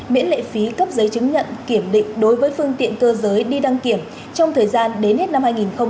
miễn lệ phí cấp giấy chứng nhận kiểm định đối với phương tiện cơ giới đi đăng kiểm trong thời gian đến hết năm hai nghìn hai mươi